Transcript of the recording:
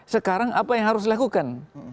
sekarang apa yang harus dilakukan